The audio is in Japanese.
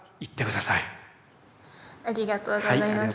ありがとうございます。